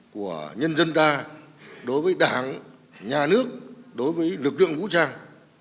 của nhân dân ta đối với đảng nhà nước đối với lực lượng vũ trang